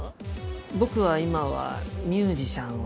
僕は今はミュージシャンを。